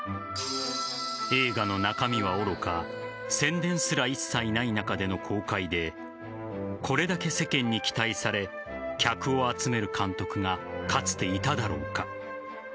映画の中身はおろか宣伝すら一切ない中での公開でこれだけ世間に期待され客を集める監督がかつていただろうか。